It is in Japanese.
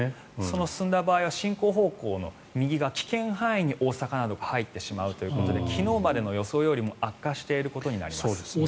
進んだ場合は進行方向の右が危険範囲に、大阪などが入ってしまうということで昨日よりの予想よりも悪化していることになります。